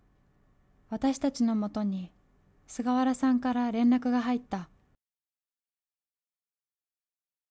私たちのもとに菅原さんから連絡が入った。